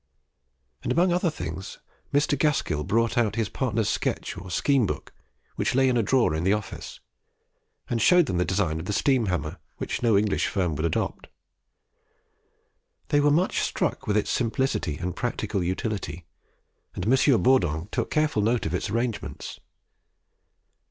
And among other things, Mr. Gaskell brought out his partner's sketch or "Scheme book," which lay in a drawer in the office, and showed them the design of the Steam Hammer, which no English firm would adopt. They were much struck with its simplicity and practical utility; and M. Bourdon took careful note of its arrangements.